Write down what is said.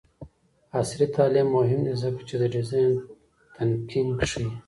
عصري تعلیم مهم دی ځکه چې د ډیزاین تنکینګ ښيي.